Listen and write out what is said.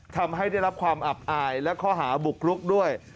ทำให้ได้รับความอับอายและข้อหาบุกรุกด้วย